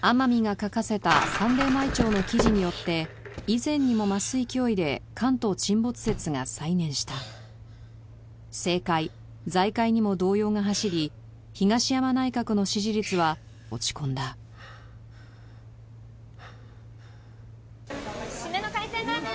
書かせたサンデー毎朝の記事によって以前にも増す勢いで関東沈没説が再燃した政界財界にも動揺が走り東山内閣の支持率は落ち込んだシメの海鮮ラーメン